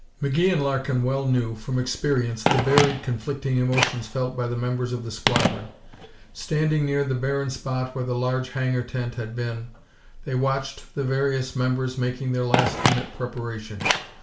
McGee and Larkin well knew, from experience, the varied, conflicting emotions felt by the members of the squadron. Standing near the barren spot where the large hangar tent had been, they watched the various members making their last minute preparations.